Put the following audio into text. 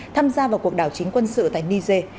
tham gia vào cuộc đảo chính quân sự tại niger